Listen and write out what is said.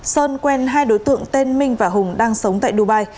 sơn quen hai đối tượng tên minh và hùng đang sống tại dubai